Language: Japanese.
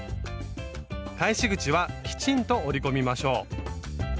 返し口はきちんと折り込みましょう。